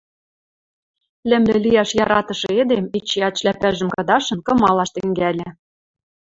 Лӹмлӹ лиӓш яратышы эдем эчеӓт шляпӓжӹм кыдашын кымалаш тӹнгӓльӹ.